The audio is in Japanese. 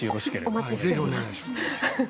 お待ちしております。